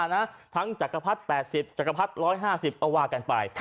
ทั้งจักรพรรดิ๘๐จักรพรรดิ๑๕๐ก็ว่ากันไป